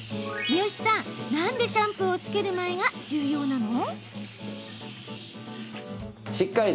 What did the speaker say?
三好さん、なんでシャンプーをつける前が重要なの？